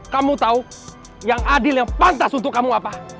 kamu tahu yang adil yang pantas untuk kamu apa